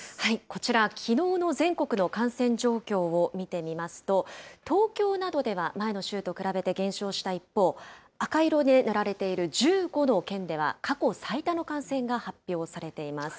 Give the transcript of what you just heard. こちら、きのうの全国の感染状況を見てみますと、東京などでは前の週と比べて減少した一方、赤色で塗られている１５の県では、過去最多の感染が発表されています。